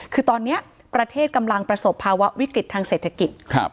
คือตอนนี้ประเทศกำลังประสบภาวะวิกฤตทางเศรษฐกิจ